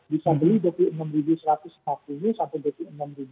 bisa beli dua puluh enam ribu satu ratus lima puluh sampai dua puluh enam ribu lima ratus